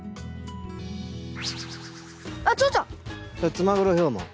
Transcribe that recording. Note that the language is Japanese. ツマグロヒョウモン。